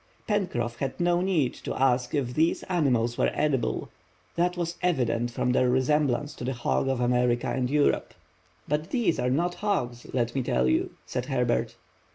Pencroff had no need to ask if these animals were edible, that was evident from their resemblance to the hog of America and Europe. "But these are not hogs, let me tell you," said Herbert.